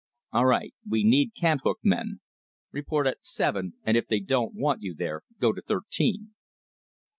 "All right, we need cant hook men. Report at 'seven,' and if they don't want you there, go to 'thirteen.'"